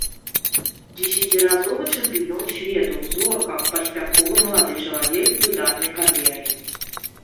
Дзесяціразовы чэмпіён свету, зорка, паспяховы малады чалавек з выдатнай кар'ерай.